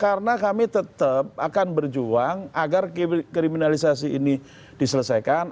karena kami tetap akan berjuang agar kriminalisasi ini diselesaikan